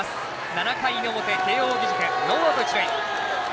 ７回の表、慶応義塾ノーアウト、一塁。